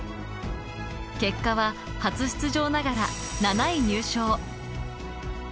結果は初出場ながら７位入賞。